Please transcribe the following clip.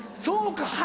そうか。